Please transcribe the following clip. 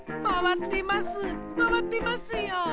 まわってますよ！